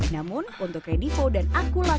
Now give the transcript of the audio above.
namun untuk redifo dan akulah